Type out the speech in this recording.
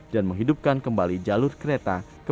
dan menghidupkan kembali jalur kereta ke pelabuhan indonesia